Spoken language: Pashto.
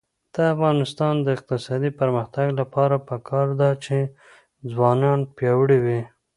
د افغانستان د اقتصادي پرمختګ لپاره پکار ده چې ځوانان پیاوړي وي.